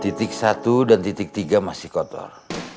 titik satu dan titik tiga masih kotor